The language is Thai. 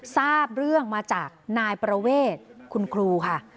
ทราบเรื่องมาจากนายประเวทคุณครูค่ะ